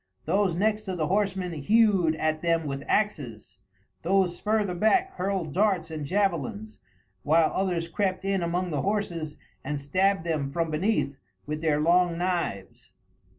Those next to the horsemen hewed at them with axes, those further back hurled darts and javelins, while others crept in among the horses and stabbed them from beneath with their long knives.